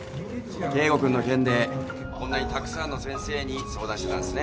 圭吾君の件でこんなにたくさんの先生に相談してたんですね。